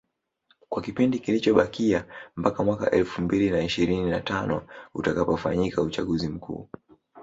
kwa kipindi kilichobakia mpaka mwaka elfu mbili na ishirini na tano utakapofanyika uchaguzi mkuu